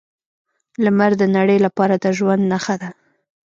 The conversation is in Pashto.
لمر د نړۍ لپاره د ژوند نښه ده.